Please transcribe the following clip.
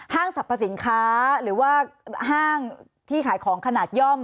สรรพสินค้าหรือว่าห้างที่ขายของขนาดย่อม